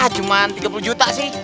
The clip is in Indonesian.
cuma tiga puluh juta sih